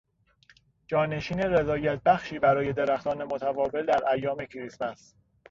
جانشین رضایتبخشی برای درختان متداول در ایام کریسمس